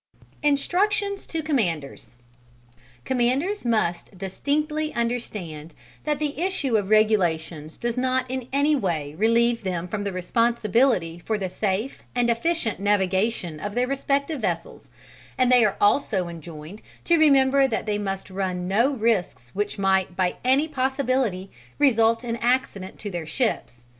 Instructions to commanders Commanders must distinctly understand that the issue of regulations does not in any way relieve them from responsibility for the safe and efficient navigation of their respective vessels, and they are also enjoined to remember that they must run no risks which might by any possibility result in accident to their ships.